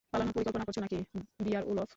পালানোর পরিকল্পনা করছ নাকি, বিয়ার-উলফ?